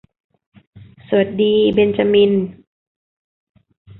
สวัสดีเบ็นจามิน